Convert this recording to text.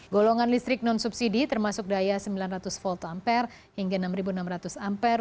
golongan listrik non subsidi termasuk daya sembilan ratus volt ampere hingga enam enam ratus ampere